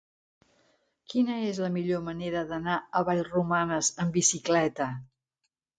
Quina és la millor manera d'anar a Vallromanes amb bicicleta?